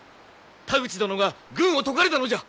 田口殿が軍を解かれたのじゃ！